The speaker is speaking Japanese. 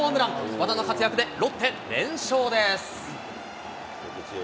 和田の活躍で、ロッテ、連勝です。